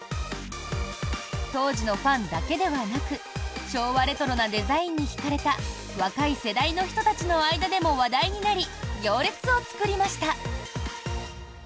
当時のファンだけではなく昭和レトロなデザインに引かれた若い世代の人たちの間でも話題になり、行列を作りました。